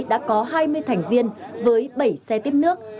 đã có hai mươi thành viên với bảy xe tiếp nước